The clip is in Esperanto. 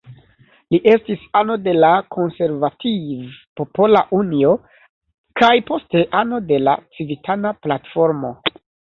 Li estis ano de la Konservativ-Popola Unio, kaj poste ano de la Civitana Platformo.